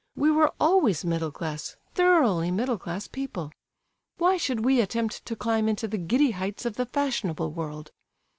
We were always middle class, thoroughly middle class, people. Why should we attempt to climb into the giddy heights of the fashionable world?